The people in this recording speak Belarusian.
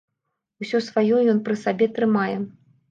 Усё сваё ён пры сабе трымае.